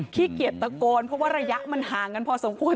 ขี้เกียจตะโกนเพราะว่าระยะมันห่างกันพอสมควร